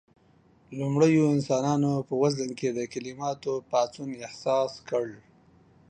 لومړيو انسانانو په وزن کې د کليماتو پاڅون احساس کړ.